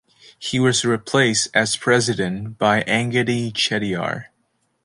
He was replaced as President by Angidi Chettiar.